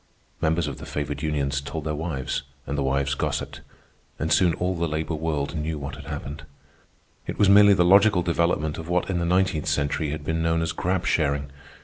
Members of the favored unions told their wives, and the wives gossiped, and soon all the labor world knew what had happened. It was merely the logical development of what in the nineteenth century had been known as grab sharing.